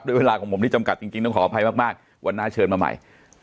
เวลาของผมที่จำกัดจริงต้องขออภัยมากวันหน้าเชิญมาใหม่